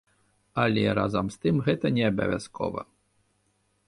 Але разам з тым гэта неабавязкова.